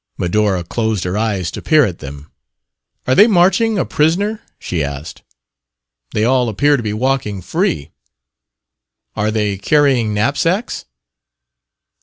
Medora closed her eyes to peer at them. "Are they marching a prisoner?" she asked. "They all appear to be walking free." "Are they carrying knapsacks?"